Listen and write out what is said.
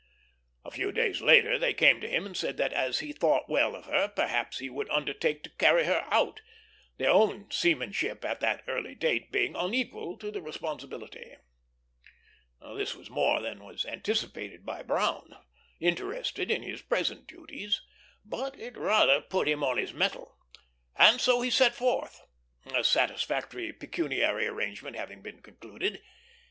A few days later they came to him and said that, as he thought well of her, perhaps he would undertake to carry her out; their own seamanship at that early date being unequal to the responsibility. This was more than was anticipated by Brown, interested in his present duties, but it rather put him on his mettle; and so he set forth, a satisfactory pecuniary arrangement having been concluded.